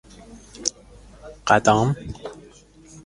قدام